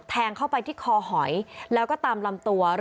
แทงเข้าไปที่คอหอยแล้วก็ตามลำตัว